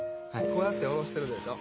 こうやっておろしてるでしょ。